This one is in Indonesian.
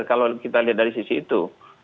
kalau kita lihat dari sisi itu